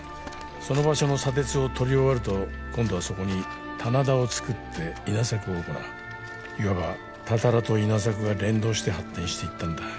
その場所の砂鉄を採り終わると今度はそこに棚田を作って稲作を行ういわばたたらと稲作が連動して発展していったんだ